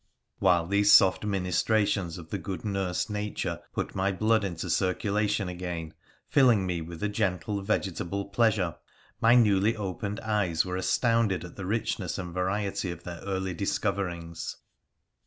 While these soft ministrations of the good nurse Nature put my blood into circulation again, filling me with a gentle vegetable pleasure, my newly opened eyes were astounded at the rich ness and variety of their early discoverings.